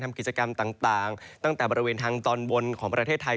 ทำกิจกรรมต่างตั้งแต่บริเวณทางตอนบนของประเทศไทย